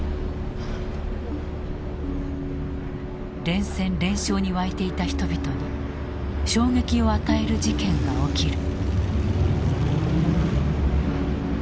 連戦連勝に沸いていた人々に衝撃を与える事件が起きる。